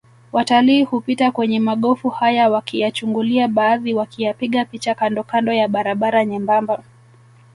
Watalii hupita kwenye magofu haya wakiyachungulia baadhi wakiyapiga picha kandokando ya barabara nyembamba